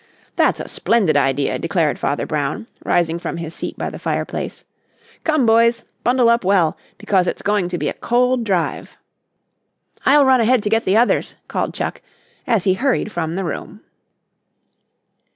"That's a splendid idea," declared Father Brown, rising from his seat by the fireplace. "Come, boys, bundle up well, because it's going to be a cold drive." "I'll run ahead to get the others," called Chuck as he hurried from the room.